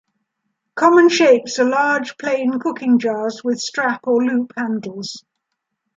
Common shapes are large plain cooking jars with strap or loop handles.